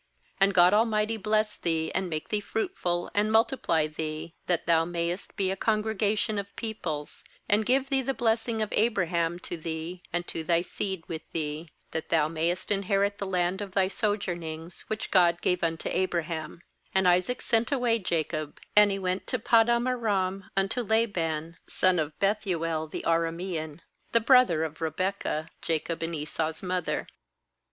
3And God Almighty bless thee, and make thee fruitful, and multiply thee, that thoia. mayest be a congregation of peoples; 4and give thee the blessing of Abraham, to thee, and to thy seed with thee; that thou mayest inherit the land of thy sojournings, which God gave unto Abraham/ &And Isaac sent away Jacob; and he went to Paddan aram unto Laban, son of Bethuel the Ara mean, the brother of Rebekah, Ja cob's and Esau's mother.